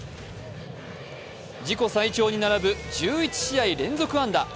自己最長に並ぶ１１試合連続安打。